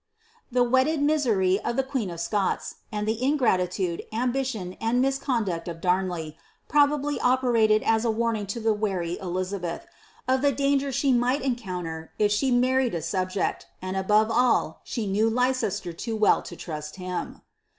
The wedded misery of the queen of Scots, and the ingratitude, ambi tioiu and misconduct of Damley, probably operated as a warning to the wary EUizabeth, of the danger she might encounter if she married a subject ; and, above all, she knew Leicester too well to trust him.